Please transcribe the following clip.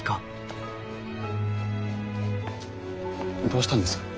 どうしたんです？